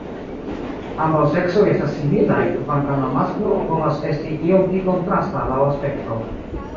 Ambaŭ seksoj estas similaj, kvankam la masklo povas esti iom pli kontrasta laŭ aspekto.